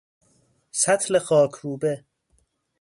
سطل خاکروبه